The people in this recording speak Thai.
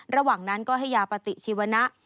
ระหว่างนั้นก็ให้ยาปฏิชีวนะ